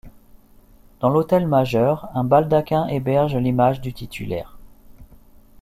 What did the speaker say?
Dans l'autel majeur, un baldaquin héberge l'image du titulaire.